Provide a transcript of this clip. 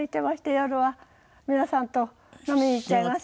夜は皆さんと飲みに行っちゃいますし。